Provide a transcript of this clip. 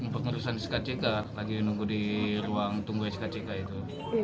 pengurusan skck lagi nunggu di ruang tunggu skck itu